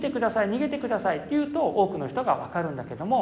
にげてください」と言うと多くの人が分かるんだけども。